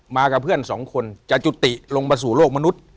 กับเพื่อนสองคนจะจุติลงมาสู่โลกมนุษย์